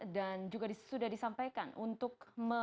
dan juga sudah disampaikan untuk